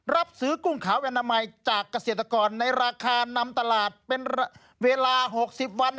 รับซื้อกุ้งขาวอนามัยจากเกษตรกรในราคานำตลาดเป็นเวลา๖๐วัน